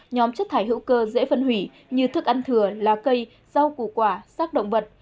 nhóm chất thải hữu cơ dễ phân hủy như thức ăn thừa lá cây rau củ quả sác động vật